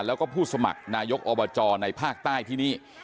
แล้วก็ผู้สมัครนายกอบจในภาคใต้ที่นี่